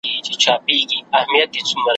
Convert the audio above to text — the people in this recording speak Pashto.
یو څه خړه یو څه توره نوره سپینه ,